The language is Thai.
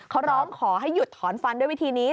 เขาร้องขอให้หยุดถอนฟันด้วยวิธีนี้